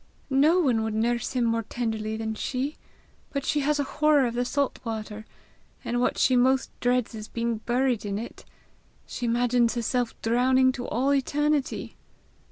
No one would nurse him more tenderly than she; but she has a horror of the salt water, and what she most dreads is being buried in it. She imagines herself drowning to all eternity!"